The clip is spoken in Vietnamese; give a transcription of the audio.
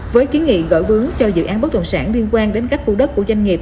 với kiến nghị gọi vướng cho dự án bất động sản liên quan đến các khu đất của doanh nghiệp